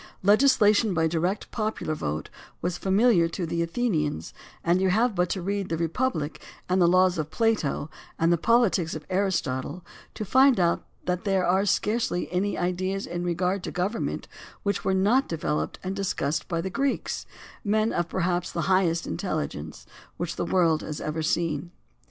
Legisla tion by direct popular vote was familiar to the Athenians and you have but to read The Republic and the Laws of Plato and the Politics of Aristotle to find out that there are scarcely any ideas in regard to gov ernment which were not developed and discussed by the Greeks, men of perhaps the highest intelligence which the world has ever seen.